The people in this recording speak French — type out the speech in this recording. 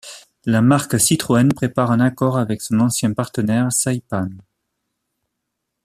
La marque Citroën prépare un accord avec son ancien partenaire Saipan.